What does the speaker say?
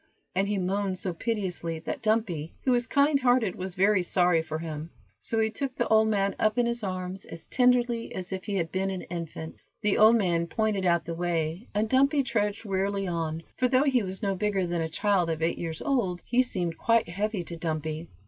and he moaned so piteously that Dumpy, who was kind hearted, was very sorry for him; so he took the old man up in his arms as tenderly as if he had been an infant. The old man pointed out the way, and Dumpy trudged wearily on, for though he was no bigger than a child of eight years old, he seemed quite heavy to Dumpy.